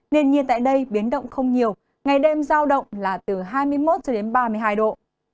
nền nhiệt tại đây biến động không nhiều ngày đêm giao động là từ hai mươi một cho đến ba mươi hai độ